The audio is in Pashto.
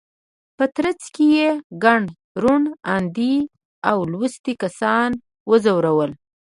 په ترڅ کې یې ګڼ روڼ اندي او لوستي کسان وځورول.